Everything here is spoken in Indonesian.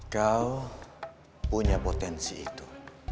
kau punya potensi itu